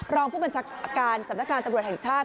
รองผู้บัญชาการสำนักงานตำรวจแห่งชาติ